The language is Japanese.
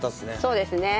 そうですね。